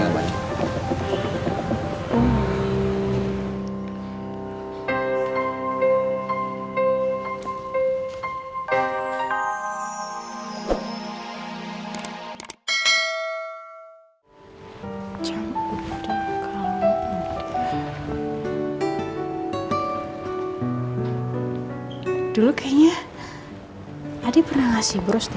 sebentar lagi kan hari pernikahan kita